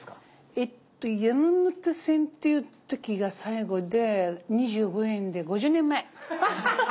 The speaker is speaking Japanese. えっと山手線っていう時が最後で２５円で５０年前。